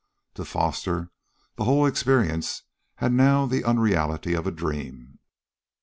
To Foster the whole experience had now the unreality of a dream.